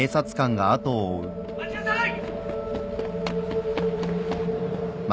待ちなさい！